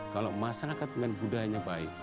kalau masyarakat dengan budayanya baik